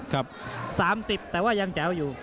๓๐แต่ว่ายังแจ๋วอยู่